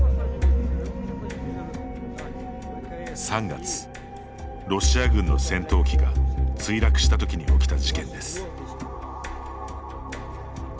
３月、ロシア軍の戦闘機が墜落したときに起きた事件です。